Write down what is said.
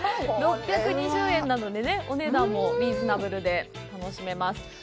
６２０円なのでお値段もリーズナブルで楽しめます。